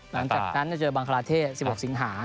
หลังจากนั้นจะเจอบังคลาเทศ๑๖สิงหา